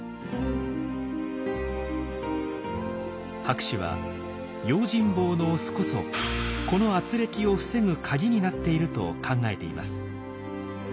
博士は用心棒のオスこそこのあつれきを防ぐ鍵になっていると考えています。